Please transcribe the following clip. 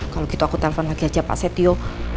kalau gitu aku telpon lagi aja pak setio